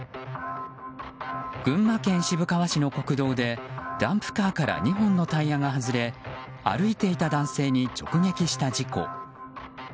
群馬県渋川市の国道でダンプカーから２本のタイヤが外れ歩いていた男性に直撃した事故。